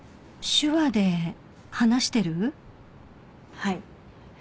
はい。